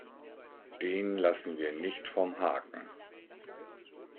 Den lassen wir nicht vom Haken.